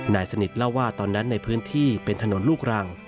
นายสนิทเล่าว่าตอนนั้นในพื้นที่เป็นถนนลูกรัง